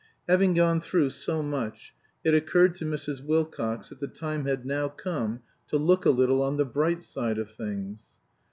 Having gone through so much, it occurred to Mrs. Wilcox that the time had now come to look a little on the bright side of things.